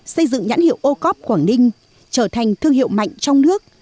xây dựng nhãn hiệu ocop quảng ninh trở thành thương hiệu mạnh trong nước